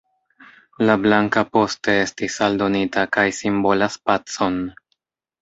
La blanka poste estis aldonita kaj simbolas pacon.